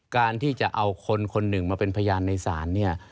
การที่จะเอาคนคนหนึ่งมาเป็นพยานในศาลเนี่ย